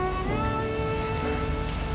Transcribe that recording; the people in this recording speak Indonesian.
apalagi ini istri saya sendiri